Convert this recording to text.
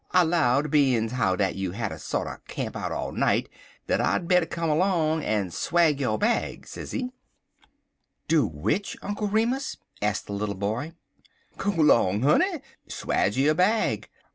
I 'low'd, bein's how dat you'd hatter sorter camp out all night dat I'd better come en swaje yo' bag,' sezee." "Do which, Uncle Remus?" asked the little boy. "Go long, honey! Swaje 'er bag.